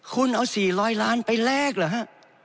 คุณเอาสี่ร้อยล้านไปแลกเหรอฮะ